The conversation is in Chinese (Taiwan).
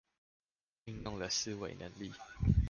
運用了思維能力